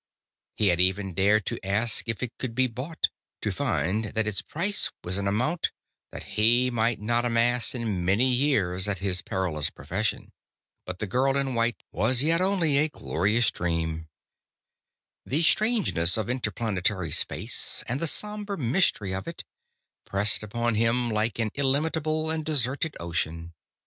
He had even dared to ask if it could be bought, to find that its price was an amount that he might not amass in many years at his perilous profession. But the girl in white was yet only a glorious dream.... [Illustration: Gigantic claws seemed to reach out of empty air.] The strangeness of interplanetary space, and the somber mystery of it, pressed upon him like an illimitable and deserted ocean.